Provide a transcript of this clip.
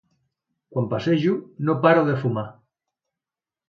Quan passejo no paro de fumar.